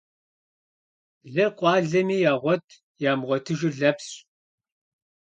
Лыр къуалэми ягъуэт, ямыгъуэтыжыр лэпсщ.